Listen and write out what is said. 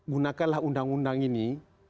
gunakanlah undang undang ini